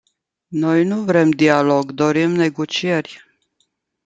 Noi nu vrem dialog, dorim negocieri.